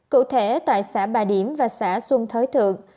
cụ thể tại xã bà điểm và xã xuân thới thượng